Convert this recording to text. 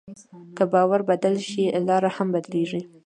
که باور بدل شي، لاره هم بدلېږي.